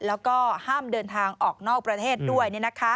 แล้วก็ห้ามเดินทางออกนอกประเทศด้วย